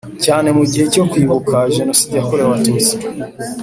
cyane mu gihe cyo kwibuka Jenoside yakorewe Abatutsi